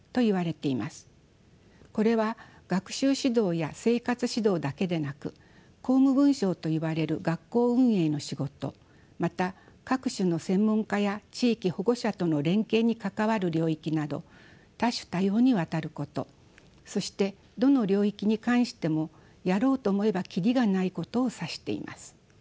これは学習指導や生活指導だけでなく校務分掌といわれる学校運営の仕事また各種の専門家や地域・保護者との連携に関わる領域など多種多様にわたることそしてどの領域に関してもやろうと思えば切りがないことを指しています。